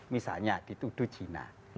misalnya dituduh cina